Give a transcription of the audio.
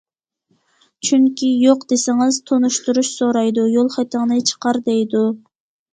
چۈنكى،« يوق!» دېسىڭىز، تونۇشتۇرۇش سورايدۇ، يول خېتىڭنى چىقار، دەيدۇ.